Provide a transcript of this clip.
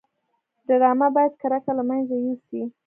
ډرامه باید کرکه له منځه یوسي